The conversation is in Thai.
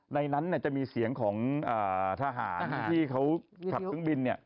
ในนั้นจะมีเสียงของทหารที่เขาขับเครื่องบิน